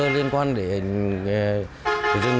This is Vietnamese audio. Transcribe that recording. liên quan đến rừng